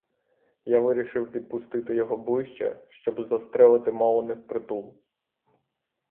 Я вирішив підпустити його ближче, щоб застрелити мало не впритул.